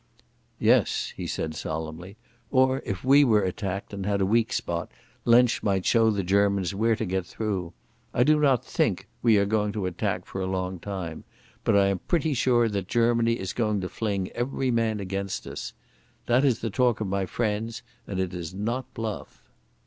"Yes," he said solemnly. "Or if we were attacked, and had a weak spot, Lensch might show the Germans where to get through. I do not think we are going to attack for a long time; but I am pretty sure that Germany is going to fling every man against us. That is the talk of my friends, and it is not bluff."